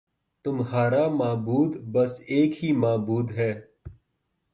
تمہارا معبود بس ایک ہی معبود ہے